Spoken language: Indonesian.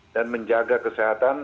dan menjaga kesehatan